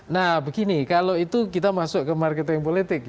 nah begini kalau itu kita masuk ke marketing politik